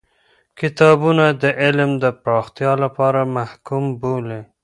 کتابونه د علم د پراختیا لپاره محکوم بولی.